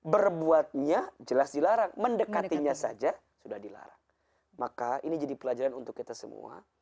berbuatnya jelas dilarang mendekatinya saja sudah dilarang maka ini jadi pelajaran untuk kita semua